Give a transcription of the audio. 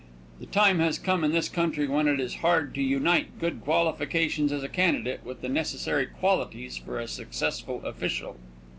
The time has come in this country when it is hard to unite good qualifications as a candidate with the necessary qualities for a successful official.